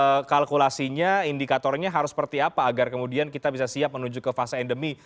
ini ini menurut bapak kalkulasinya indikatornya harus seperti apa agar kemudian kita bisa siap menuju ke fase endemi